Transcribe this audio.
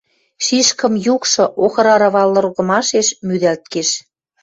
Шишкым юкшы охыр арава лыргымашеш мӱдӓлт кеш...